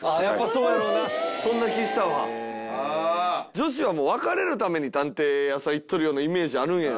女子はもう別れるために探偵屋さん行っとるようなイメージあるんやろな俺は。